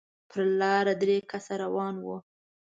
پر لاره درې کسه روان وو.